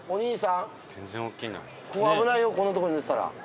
ここ危ないよこんなとこで寝てたら。